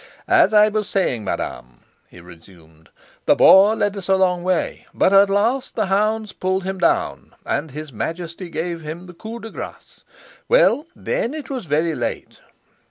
"As I was saying, madam," he resumed, "the boar led us a long way, but at last the hounds pulled him down, and his majesty himself gave the coup de grace. Well, then it was very late."